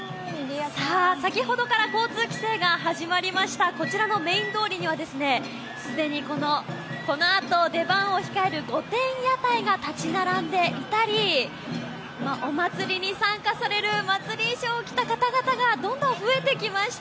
先ほどから交通規制が始まりましたこちらのメイン通りには既にこのあと出番を控える御殿屋台が立ち並んでいたりお祭りに参加される祭り衣装を着た方型がどんどん増えてきました。